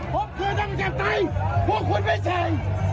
พวกคุณไม่ใช่พวกคุณไม่ใช่